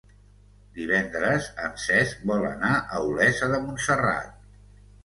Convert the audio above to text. Divendres en Cesc vol anar a Olesa de Montserrat.